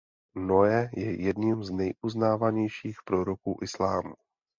Noe je jedním z nejuznávanějších proroků Islámu.